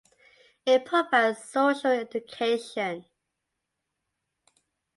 It provides social education.